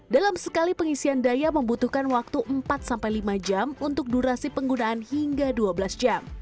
dalam sekali pengisian daya membutuhkan waktu empat sampai lima jam untuk durasi penggunaan hingga dua belas jam